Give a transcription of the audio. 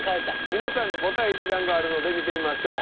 皆さんの答え一覧があるので見てみましょう。